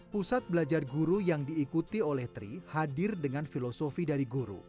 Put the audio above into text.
pusat belajar guru yang diikuti oleh tri hadir dengan filosofi dari guru